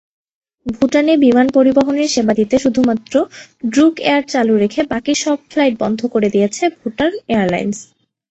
ভুটানে বিমান পরিবহনের সেবা দিতে শুধুমাত্র ড্রুক এয়ার চালু রেখে বাকি সব ফ্লাইট বন্ধ করে দিয়েছে ভুটান এয়ারলাইন্স।